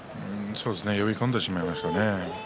呼び込んでしまいましたね。